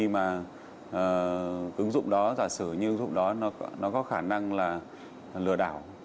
và ứng dụng đó giả sử như ứng dụng đó nó có khả năng là lừa đảo